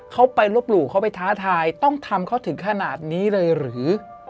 เขาไปลบหลู่เขาไปท้าทายต้องทำเขาถึงขนาดนี้เลยหรือ